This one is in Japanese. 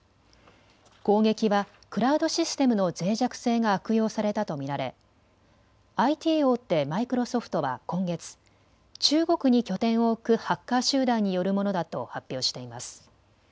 攻撃はクラウドシステムのぜい弱性が悪用されたと見られＩＴ大手、マイクロソフトは今月、中国に拠点を置くハッカー集団によるものだと発表しています。